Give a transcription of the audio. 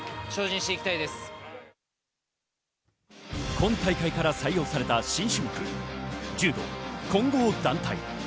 今大会から採用された新種目、柔道混合団体。